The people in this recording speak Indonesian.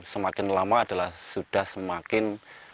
semakin lama adalah sudah semakin